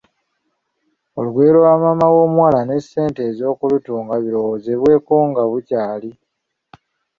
"Olugoye lwa maama w’omuwala, n’essente ez’okulutunga birowoozebweko nga bukyali."